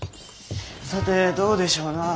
さてどうでしょうなあ。